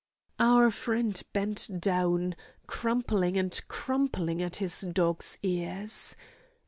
Our friend bent down, crumpling and crumpling at his dog's ears.